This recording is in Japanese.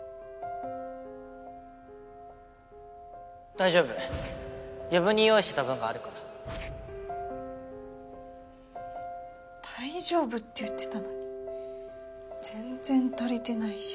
大丈夫余分に用意してた分があるから大丈夫って言ってたのに全然足りてないじゃん。